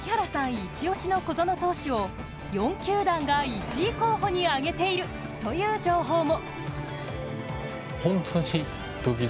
一押しの小園投手を４球団が１位候補に挙げているという情報も。